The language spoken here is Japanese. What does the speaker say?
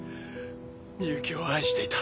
深雪を愛していた。